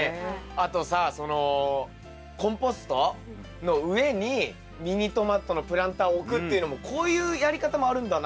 あとさそのコンポストの上にミニトマトのプランターを置くっていうのもこういうやり方もあるんだなっていうね。